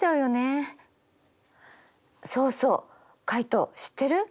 そうそうカイト知ってる？